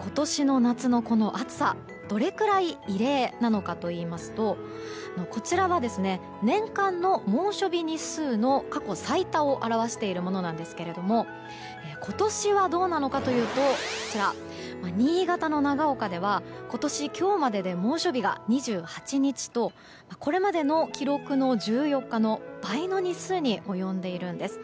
今年の夏の暑さどれくらい異例なのかというとこちらは年間の猛暑日日数の過去最多を表しているものなんですけども今年はどうなのかというと新潟の長岡では今年、今日までで猛暑日が２８日とこれまでの記録の１４日の倍の日数に及んでいるんです。